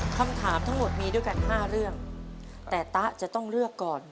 คำถามทั้งหมดมีด้วยกัน๕เรื่องแต่ตะจะต้องเลือกก่อน